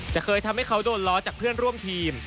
จะเคยทำให้เขาโดนล้อจากเพื่อนร่วมทีม